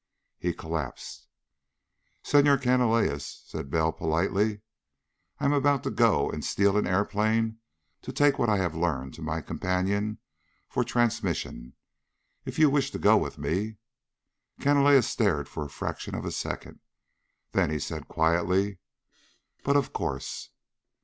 He collapsed. "Senhor Canalejas," said Bell politely, "I am about to go and steal an airplane to take what I have learned to my companion for transmission. If you wish to go with me...." Canalejas stared for the fraction of a second. Then he said quietly: "But of course."